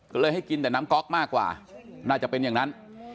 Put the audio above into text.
ก็เลยให้กินแต่น้ำก๊อกมากกว่าน่าจะเป็นอย่างนั้น